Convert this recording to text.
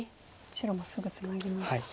白もすぐツナぎました。